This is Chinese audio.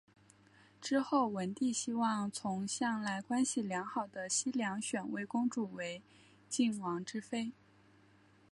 之后文帝希望从向来关系良好的西梁选位公主为晋王之妃。